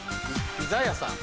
ピザ屋さん。